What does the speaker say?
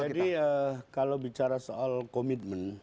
jadi kalau bicara soal komitmen